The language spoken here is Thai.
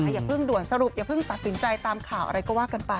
อย่าเพิ่งด่วนสรุปอย่าเพิ่งตัดสินใจตามข่าวอะไรก็ว่ากันไป